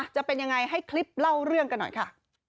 จะเป็นยังไงให้คลิปเล่าเรื่องกันหน่อยค่ะ